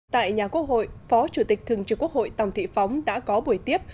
tại nhà quốc hội phó chủ tịch thường trực quốc hội tòng thị phóng đã có buổi tiếp